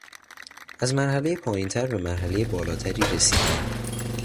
از مرحلهی پایینتر به مرحلهی بالاتری رسیدن